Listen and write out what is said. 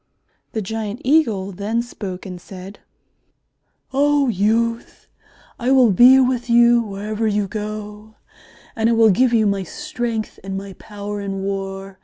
The giant Eagle then spoke and said, "Oh, youth, I will be with you wherever you go, and I will give you my strength and my power in war.